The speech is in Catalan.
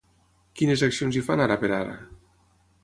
Quines accions hi fan ara per ara?